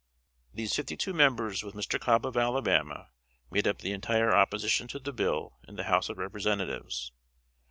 These fifty two members, with Mr. Cobb, of Alabama, made up the entire opposition to the bill in the House of Representatives.